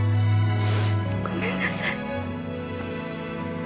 ごめんなさい。